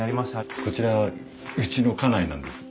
こちらうちの家内なんです。